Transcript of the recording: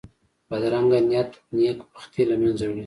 بدرنګه نیت نېک بختي له منځه وړي